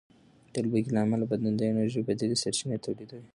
د لوږې له امله بدن د انرژۍ بدیلې سرچینې تولیدوي.